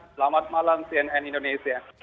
selamat malam cnn indonesia